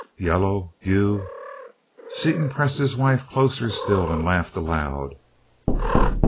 "Yellow!... You?" Seaton pressed his wife closer still! and laughed aloud.